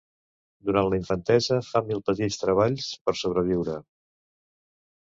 Durant la infantesa, fa mil petits treballs per sobreviure.